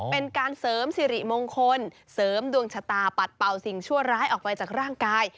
เป็นการเสริมสิริมงคลเสริมดวงชะตาปัดเป่าสิ่งชั่วร้ายออกไปจากร่างกาย